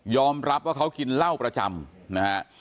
ยอมรับว่าเขากินเหล้าประจำ